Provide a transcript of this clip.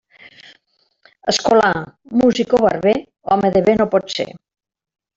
Escolà, músic o barber, home de bé no pot ser.